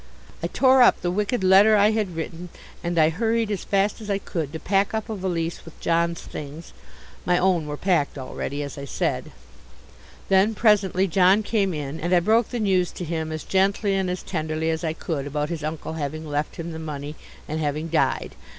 I tore up the wicked letter I had written, and I hurried as fast as I could to pack up a valise with John's things (my own were packed already, as I said). Then presently John came in, and I broke the news to him as gently and as tenderly as I could about his uncle having left him the money and having died.